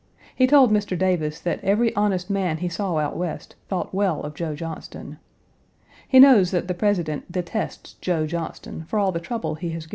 He told Mr. Davis that every honest man he saw out West thought well of Joe Johnston. He knows that the President detests Joe Johnston for all the trouble he has given him, 1.